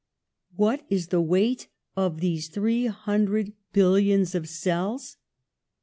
What is the weight of these three hundred billions of cells?